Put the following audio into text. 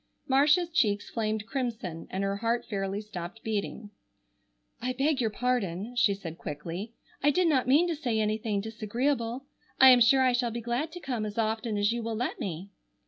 Marcia's cheeks flamed crimson and her heart fairly stopped beating. "I beg your pardon," she said quickly, "I did not mean to say anything disagreeable. I am sure I shall be glad to come as often as you will let me."